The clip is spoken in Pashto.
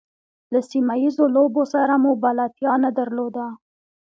له سیمه ییزو لوبو سره مو بلدتیا نه درلوده.